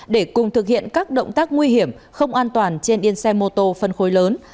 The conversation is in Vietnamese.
để cùng thực hiện các động tác nguy hiểm không an toàn trên điên xe mô tô phân khối lớn